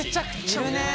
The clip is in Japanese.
いるね。